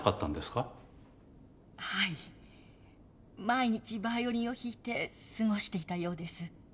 毎日バイオリンを弾いて過ごしていたようです。